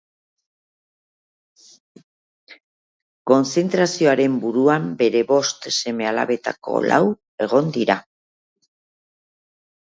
Kontzentrazioaren buruan bere bost seme-alabetako lau egon dira.